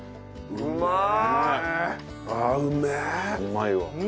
うまいわ。